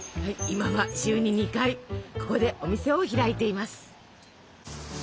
今は週に２回ここでお店を開いています。